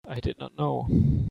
I did not know.